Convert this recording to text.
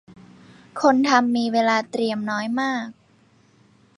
คนทำมีเวลาเตรียมน้อยมาก